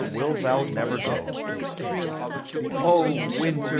WILT THOU NEVER GO? O winter!